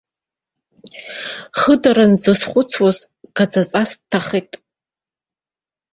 Хыдаран дзызхәцуаз, гаӡаҵас дҭахеит.